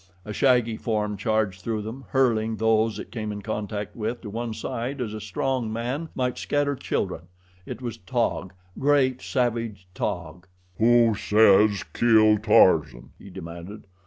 A shaggy form charged through them, hurling those it came in contact with to one side as a strong man might scatter children. It was Taug great, savage Taug. "Who says 'kill Tarzan'?" he demanded.